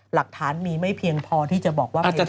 หลักฐานมีไม่เพียงพอที่จะบอกว่าเป็นการฆ่า